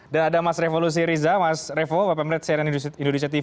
dan ada mas revolusi riza mas revo pak pemret cnn indonesia tv